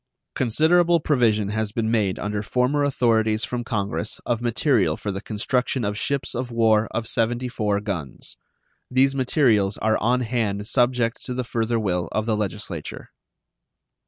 Considerable provision has been made under former authorities from Congress of material for the construction of ships of war of 74 guns. These materials are on hand subject to the further will of the Legislature.